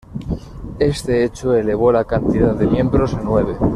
Este hecho elevó la cantidad de miembros a nueve.